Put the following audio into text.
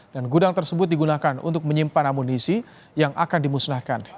dan gudang tersebut digunakan untuk menyimpan amunisi yang akan dimusnahkan